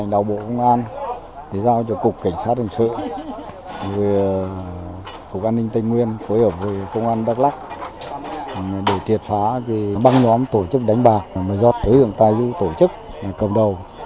tài du phủy bộ an ninh tây nguyên phối hợp với công an đắk lắc để triệt phá băng nhóm tổ chức đánh bạc do tử dưỡng tài du tổ chức cầm đầu